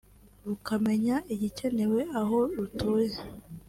rukamenya igikenewe aho rutuye